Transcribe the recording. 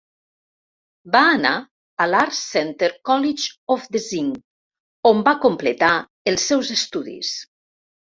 Va anar a l'Art Center College of Design, on va completar els seus estudis.